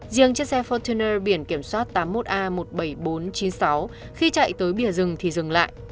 riêng chiếc xe fortuner biển kiểm soát tám mươi một a một mươi bảy nghìn bốn trăm chín mươi sáu khi chạy tới bìa rừng thì dừng lại